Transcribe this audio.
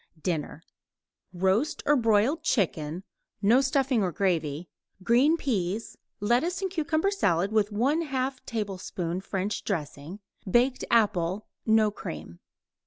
DINNER Roast or broiled chicken (no stuffing or gravy); green peas; lettuce and cucumber salad with 1/2 tablespoon French dressing; baked apple (no cream).